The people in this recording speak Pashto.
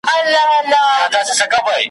په خپلو کړو به ګاونډي ویاړی `